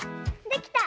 できた！